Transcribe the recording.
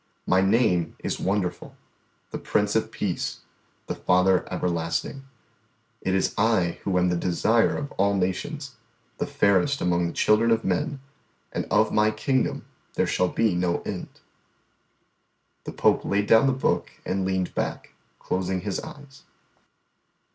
My name is Wonderful, the Prince of Peace, the Father Everlasting. It is I who am the Desire of all nations, the fairest among the children of men and of my Kingdom there shall be no end_." The Pope laid down the book, and leaned back, closing his eyes.